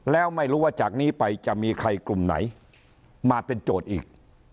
แล้วไม่รู้ว่าจากนี้ไปจะมีใครกลุ่มไหนมาเป็นโจทย์อีก